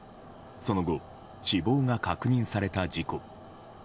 その後、死亡が確認された事故。